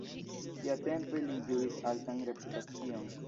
Siatempe li ĝuis altan reputacion.